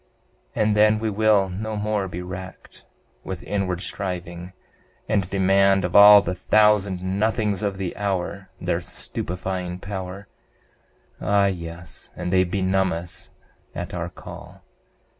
And then we will no more be racked With inward striving, and demand Of all the thousand nothings of the hour Their stupefying power; Ah yes, and they benumb us at our call!